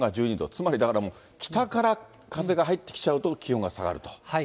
つまり、だからもう、北から風が入ってきちゃうと、気温が下がると。